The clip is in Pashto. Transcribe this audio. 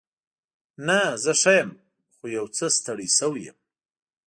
نه، زه ښه یم. خو یو څه ستړې شوې یم.